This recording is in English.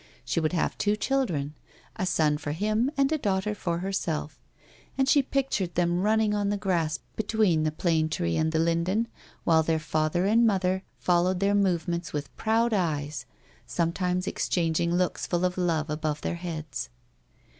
She would have two children, a son for him, and a daughter for herself, and she pictured them running on the grass between the plane tree and the linden, while their father and mother followed their movements with proud eyes, sometimes exchanging looks full of love above their heads.